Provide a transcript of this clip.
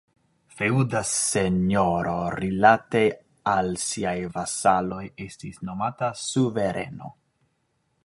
Feŭda senjoro rilate al siaj vasaloj estis nomata suvereno.